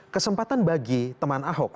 kesempatan bagi teman ahok